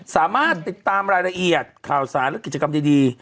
สามารถติดตามรายละเอียดข่าวสารและกิจกรรมดี